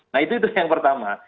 nah itu yang pertama